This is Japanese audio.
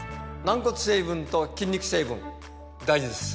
軟骨成分と筋肉成分大事です